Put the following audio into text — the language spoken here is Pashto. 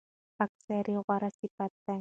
خاکساري غوره صفت دی.